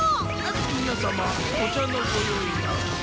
皆様お茶のご用意が。